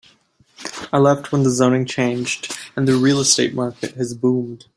I left when the zoning changed and the real estate market has boomed.